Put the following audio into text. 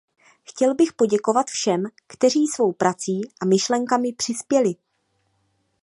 Chtěl bych poděkovat všem, kteří svou prací a myšlenkami přispěli.